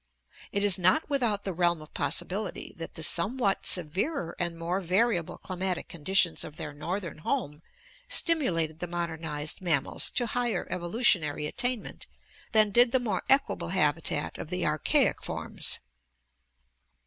It is not without the realm of possibility that the somewhat severer and more variable climatic conditions of their northern home stimulated the modernized mammals to higher evolutionary at tainment than did the more equable habitat of the archaic forms.